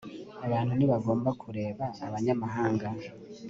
abantu ntibagomba kureba abanyamahanga